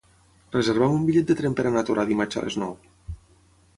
Reserva'm un bitllet de tren per anar a Torà dimarts a les nou.